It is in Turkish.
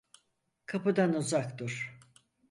Kapıdan uzak dur.